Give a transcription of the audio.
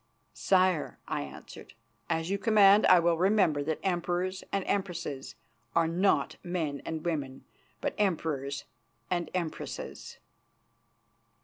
"Sire," I answered, "as you command I will remember that Emperors and Empresses are not men and women, but Emperors and Empresses."